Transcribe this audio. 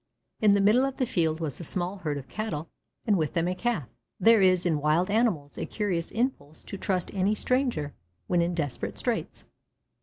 In the middle of the field was a small herd of cattle and with them a calf. There is in wild animals a curious impulse to trust any stranger when in desperate straits.